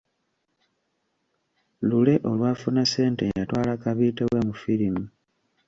Lule olwafuna ssente yatwala kabiite we mu firimu.